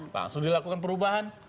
langsung dilakukan perubahan